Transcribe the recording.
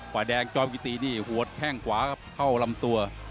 ป่ายแดงจอมพี่ตีนี่อีกแข่งขวากับเข้าลำตัว